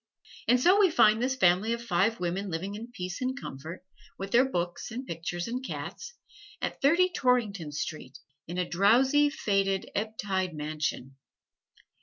And so we find this family of five women living in peace and comfort, with their books and pictures and cats, at Thirty Torrington Square, in a drowsy, faded, ebb tide mansion.